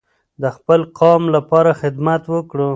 د خپل قام لپاره خدمت وکړو.